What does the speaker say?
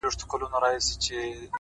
موخه روښانه وي نو ګامونه پیاوړي کېږي’